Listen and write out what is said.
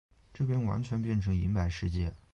这边完全变成银白世界